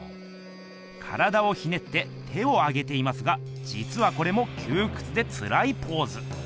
体をひねって手を上げていますがじつはこれもきゅうくつでつらいポーズ。